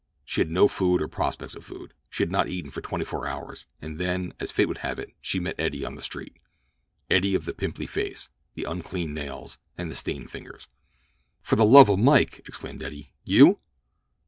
She had no food or prospects of food. She had not eaten for twenty four hours; and then, as fate would have it, she met Eddie on the street—Eddie of the pimply face, the unclean nails, and the stained fingers. "For the love o' Mike!" exclaimed Eddie. "You?"